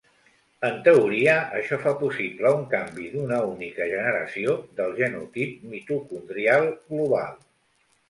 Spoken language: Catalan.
En teoria, això fa possible un canvi d'una única generació del genotip mitocondrial global.